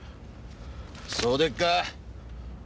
そうでっか！